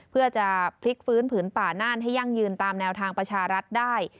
เพื่อจะพลิกฟื้นผืนป่าน่านให้ยั่งยืนตามแนวทางประชารัฐได้